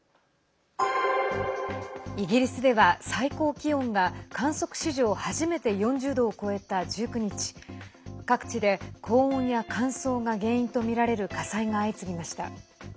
イギリスでは最高気温が観測史上初めて４０度を超えた１９日各地で高温や乾燥が原因とみられる火災が相次ぎました。